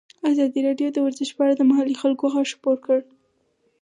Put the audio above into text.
ازادي راډیو د ورزش په اړه د محلي خلکو غږ خپور کړی.